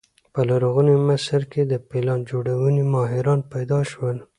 په لرغوني مصر کې د پلان جوړونې ماهران پیدا شول.